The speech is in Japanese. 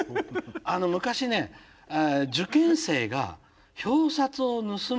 昔ね受験生が表札を盗む。